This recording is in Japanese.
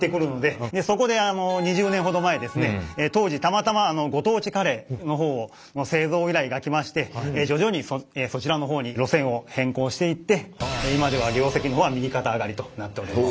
そこで２０年ほど前ですね当時たまたまご当地カレーの製造依頼が来まして徐々にそちらの方に路線を変更していって今では業績の方は右肩上がりとなっております。